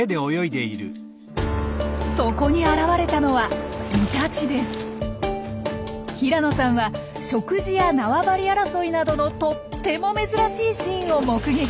そこに現れたのは平野さんは食事や縄張り争いなどのとっても珍しいシーンを目撃。